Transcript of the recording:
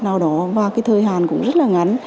nào đó và thời hạn cũng rất là ngắn